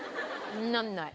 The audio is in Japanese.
なんない。